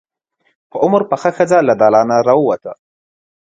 په عمر پخه ښځه له دالانه راووته.